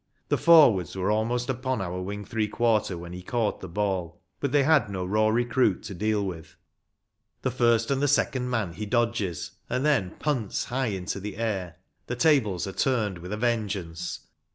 The forwards were almost upon our wing three quarter when he caught the ball. But they had no raw recruit to deal with. The first and the second man he dodges, and then punts high into the air. The tables are turned with a vengeance.